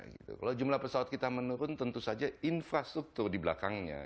kalau jumlah pesawat kita menurun tentu saja infrastruktur di belakangnya